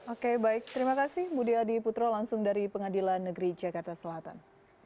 oke baik terima kasih budi adiputro langsung dari pengadilan negeri jakarta selatan